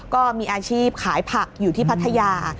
ก็มีอาชีพขายผักอยู่ที่พัทยา